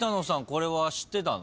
これは知ってたの？